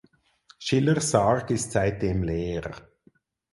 Schillers Sarg ist seitdem leer.